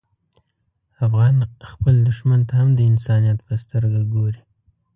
افغان خپل دښمن ته هم د انسانیت په سترګه ګوري.